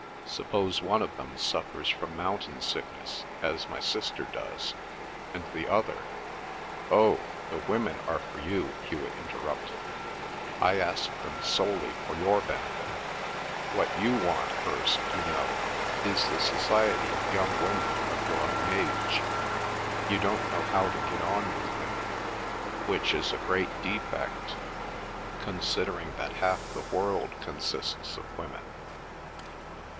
Suppose one of them suffers from mountain sickness, as my sister does, and the other—" "Oh, the women are for you," Hewet interrupted. "I asked them solely for your benefit. What you want, Hirst, you know, is the society of young women of your own age. You don't know how to get on with women, which is a great defect, considering that half the world consists of women."